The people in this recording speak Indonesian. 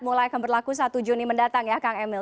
mulai akan berlaku satu juni mendatang ya kang emil